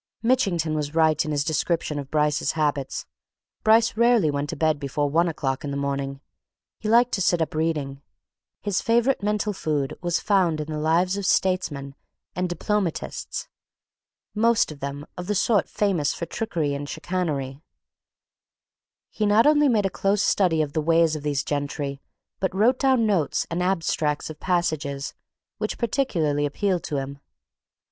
Mitchington was right in his description of Bryce's habits Bryce rarely went to bed before one o'clock in the morning. He liked to sit up, reading. His favourite mental food was found in the lives of statesmen and diplomatists, most of them of the sort famous for trickery and chicanery he not only made a close study of the ways of these gentry but wrote down notes and abstracts of passages which particularly appealed to him.